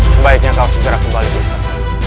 sebaiknya kau segera kembali ke rumah